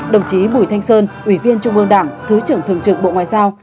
đồng chí bùi thanh sơn ủy viên trung ương đảng thứ trưởng thường trực bộ ngoại giao